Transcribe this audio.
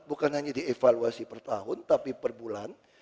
bukan hanya dievaluasi per tahun tapi per bulan